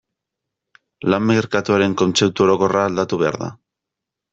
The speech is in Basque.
Lan merkatuaren kontzeptu orokorra aldatu behar da.